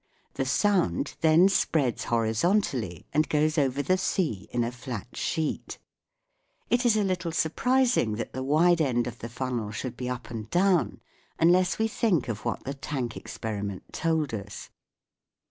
The sound then spreads horizontally, and goes over the sea in a flat sheet. It is a little surprising that the wide end of the funnel should be up and down, unless we think of what the tank experiment told us.